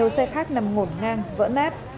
xe khác nằm ngổn ngang vỡ nát